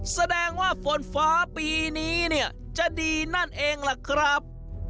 แสดงว่าฝนฟ้าปีนี้เนี่ยจะดีนั่นเองล่ะครับ